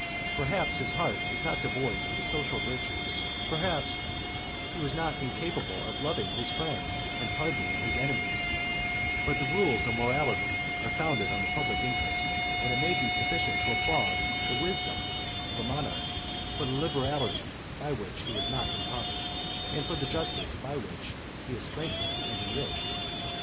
Perhaps his heart was not devoid of the social virtues; perhaps he was not incapable of loving his friends and pardoning his enemies; but the rules of morality are founded on the public interest; and it may be sufficient to applaud the wisdom of a monarch, for the liberality by which he is not impoverished, and for the justice by which he is strengthened and enriched.